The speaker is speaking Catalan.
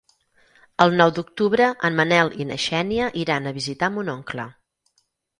El nou d'octubre en Manel i na Xènia iran a visitar mon oncle.